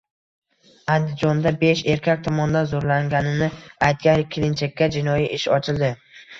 Andijondabesherkak tomonidan zo‘rlanganini aytgan kelinchakka jinoiy ish ochildi